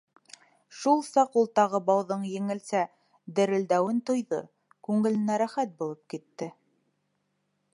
Шул саҡ ул тағы бауҙың еңелсә дерелдәүен тойҙо, күңеленә рәхәт булып китте.